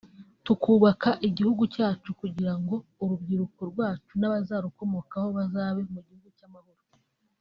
tukubaka igihugu cyacu kugira ngo urubyiruko rwacu n’abazarukomokaho bazabe mu gihugu cy’amahoro